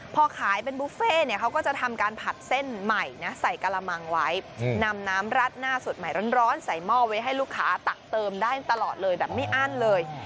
พอขายเป็นบุฟเฟ่เนี่ยเขาก็จะทำการผัดเส้นใหม่นะใส่กระมังไว้นำน้ำรัดหน้าสดใหม่ร้อนใส่หม้อไว้ให้ลูกค้าตักเติมได้ตลอดเลยแบบไม่อั้นเลย